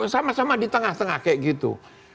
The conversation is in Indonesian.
sama sama di tengah tengah kayak gitu